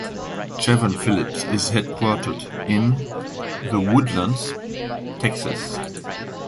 Chevron Phillips is headquartered in The Woodlands, Texas.